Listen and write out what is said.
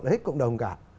lợi ích cộng đồng cả